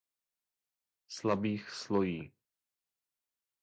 Slabých slojí.